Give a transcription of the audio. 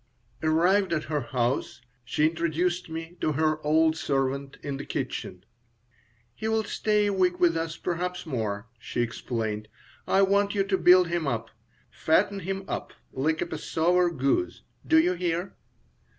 Arrived at her house, she introduced me to her old servant, in the kitchen "He'll stay a week with us, perhaps more," she explained. "I want you to build him up. Fatten him up like a Passover goose. Do you hear?"